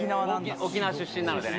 僕、沖縄出身なのでね。